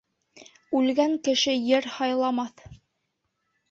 Үлгән кеше ер һайламаҫ.